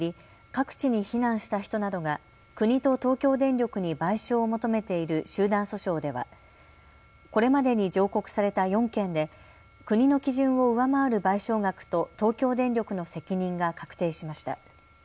各地に避難した人などが国と東京電力に賠償を求めている集団訴訟ではこれまでに上告された４件で国の基準を上回る賠償額と東京電力の責任が確定しました。